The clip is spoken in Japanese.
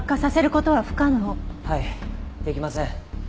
はいできません。